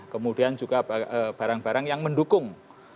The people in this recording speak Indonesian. kemudian juga barang barang yang mendukung